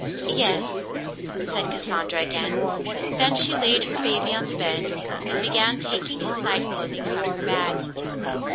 "Yes," said Cassandra again ; then she laid her baby on the bed and began taking his night clothing from her bag.